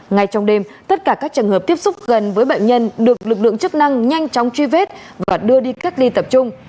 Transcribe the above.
ngay trong đêm tất cả các trường hợp tiếp xúc gần với bệnh nhân được lực lượng chức năng nhanh chóng truy vết và đưa đi cách ly tập trung